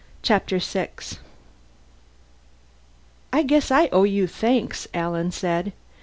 Chapter Six "I guess I owe you thanks," Alan said.